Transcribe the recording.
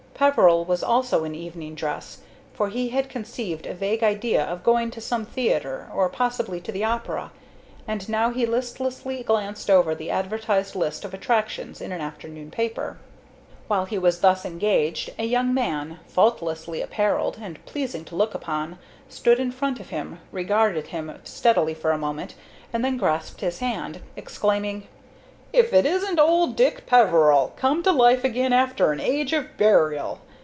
Peveril was also in evening dress, for he had conceived a vague idea of going to some theatre, or possibly to the opera. And now he listlessly glanced over the advertised list of attractions in an afternoon paper. While he was thus engaged, a young man, faultlessly apparelled and pleasing to look upon, stood in front of him, regarded him steadily for a moment, and then grasped his hand, exclaiming: "If it isn't old Dick Peveril come to life again after an age of burial!